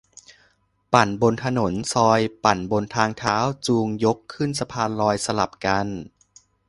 ปั่นบนถนน ซอย ปั่นบนทางเท้า จูง ยกขึ้นสะพานลอย สลับกัน